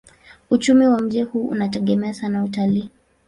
Uchumi wa mji huu unategemea sana utalii.